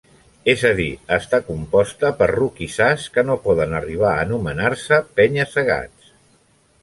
És a dir, està composta per roquissars que no poden arribar a anomenar-se penya-segats.